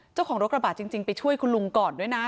เจ้าของรถกระบะจริงไปช่วยคุณลุงก่อนด้วยนะ